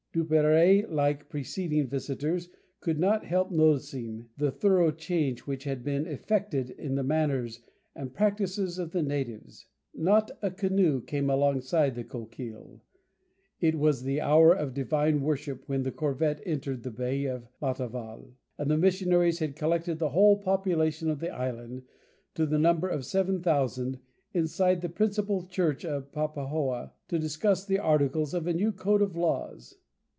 Duperrey, like preceding visitors, could not help noticing the thorough change which had been effected in the manners and practices of the natives. Not a canoe came alongside the Coquille. It was the hour of Divine worship when the corvette entered the Bay of Matavai, and the missionaries had collected the whole population of the island, to the number of seven thousand, inside the principal church of Papahoa to discuss the articles of a new code of laws.